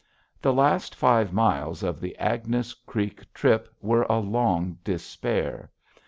The last five miles of the Agnes Creek trip were a long despair.